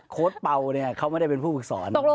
โค้ชเปล่าเนี่ยเขาไม่ได้เป็นผู้ปรึกษร